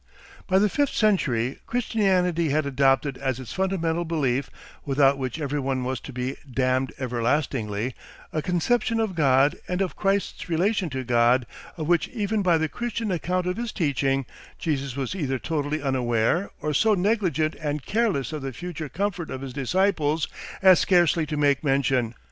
... By the fifth century Christianity had adopted as its fundamental belief, without which everyone was to be "damned everlastingly," a conception of God and of Christ's relation to God, of which even by the Christian account of his teaching, Jesus was either totally unaware or so negligent and careless of the future comfort of his disciples as scarcely to make mention.